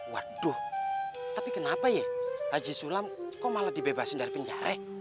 waduh tapi kenapa yeh haji sulam kok malah dibebasin dari penjara